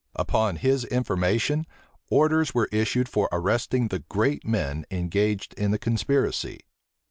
Upon his information, orders were issued for arresting the great men engaged in the conspiracy.